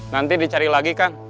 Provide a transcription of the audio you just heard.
nanti dicari lagi kang